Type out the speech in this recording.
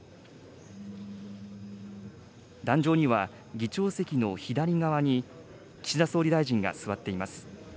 壇上には、議長席の左側に、岸田総理大臣が座っています。